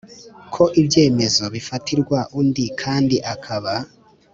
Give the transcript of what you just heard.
Ko ibyemezo bifatirwa undi kandi akaba